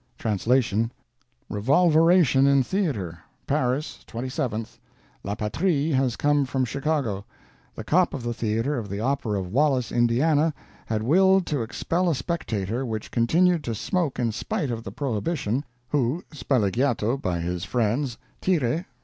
Translation. "Revolveration in Theater. Paris, 27th. La Patrie has from Chicago: The cop of the theater of the opera of Wallace, Indiana, had willed to expel a spectator which continued to smoke in spite of the prohibition, who, spalleggiato by his friends, tire (_Fr.